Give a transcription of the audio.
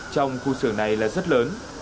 trong khu sở này là rất lớn